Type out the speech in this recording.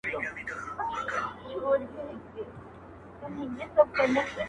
د سپي دا وصیت مي هم پوره کومه,